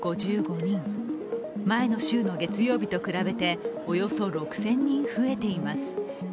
前の週の月曜日と比べておよそ６０００人増えています。